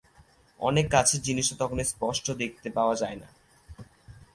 অনেক কাছের জিনিসও তখন স্পষ্ট দেখতে পাওয়া যায় না।